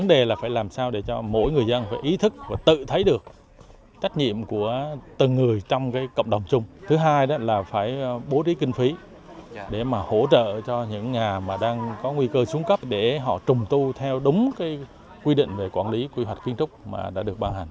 để mà hỗ trợ cho những nhà mà đang có nguy cơ xuống cấp để họ trùm tu theo đúng quy định về quản lý quy hoạch kiến trúc mà đã được bàn hành